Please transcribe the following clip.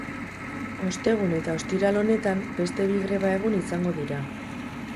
Ostegun eta ostiral honetan beste bi greba-egun izango dira.